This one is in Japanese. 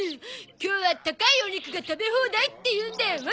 今日は高いお肉が食べ放題っていうんでわざわざ来ました。